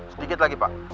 sedikit lagi pak